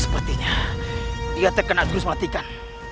sepertinya dia terkena grups matikan